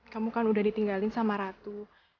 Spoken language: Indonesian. kamu kan udah ditinggalin sama ratu